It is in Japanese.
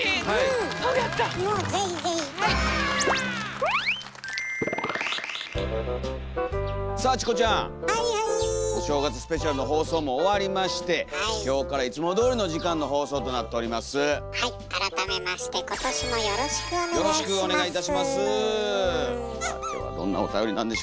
はい。